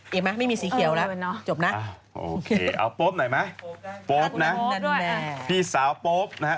อีกไหมไม่มีสีเขียวแล้วจบนะโอเคเอาโป๊ปหน่อยไหมโป๊ปนะพี่สาวโป๊ปนะฮะ